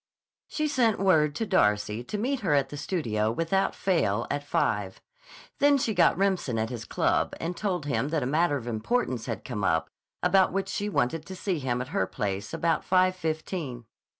She sent word to Darcy to meet her at the studio without fail at five. Then she got Remsen at his club and told him that a matter of importance had come up about which she wanted to see him at her place about five fifteen.